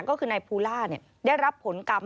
ก็คือนายภูล่าได้รับผลกรรม